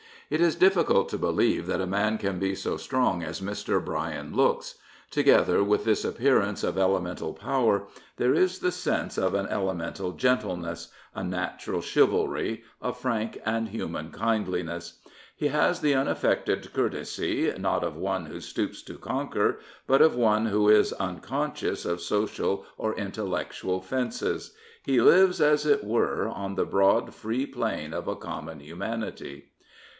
It is difficult to believe that a man can be so strong as Mr. Bryan looks. Together with this appearance of elemental power there is the sense of an elemental gentleness, a natural chivalry, a frank and human kindliness. He has the unaffected courtesy not of one who stoops to conquer, but of one who is unconscious of social or intellectual fences. He lives, as it were, on the broad, free plain of a common humanity.